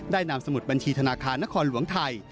นำสมุดบัญชีธนาคารนครหลวงไทย